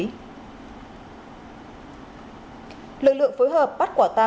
lực lượng phối hợp bắt quả tang nhân viên của một quán bắp có hành vi mua bán trái phép chất ma túy